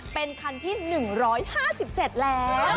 เป็นคันที่๑๕๗แล้ว